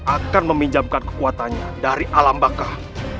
akan meminjamkan kekuatannya dari alam bakah